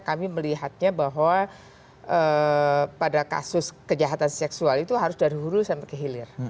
kami melihatnya bahwa pada kasus kejahatan seksual itu harus dari huru sampai kehilir